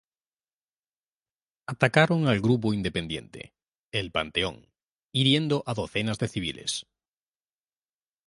Atacaron al grupo independiente, el Panteón, hiriendo a docenas de civiles.